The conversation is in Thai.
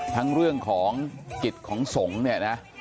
ทั้งเรื่องของกิจของสงฆ์เนี่ยนะ